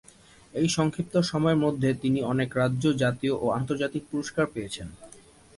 এই সংক্ষিপ্ত সময়ের মধ্যে তিনি অনেক রাজ্য, জাতীয় এবং আন্তর্জাতিক পুরস্কার পেয়েছেন।